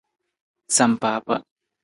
Sampaapa.